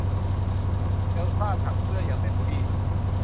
เอลซ่าถักเสื้ออย่างเต็มที่